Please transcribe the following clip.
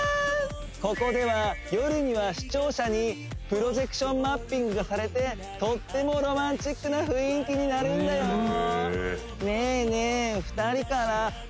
ここでは夜には市庁舎にプロジェクションマッピングがされてとってもロマンチックな雰囲気になるんだよねえねえ